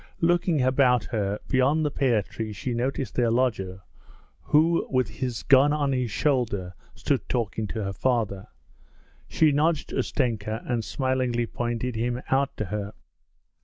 Looking about her, beyond the pear tree she noticed their lodger, who with his gun on his shoulder stood talking to her father. She nudged Ustenka and smilingly pointed him out to her.